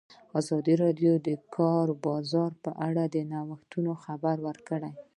ازادي راډیو د د کار بازار په اړه د نوښتونو خبر ورکړی.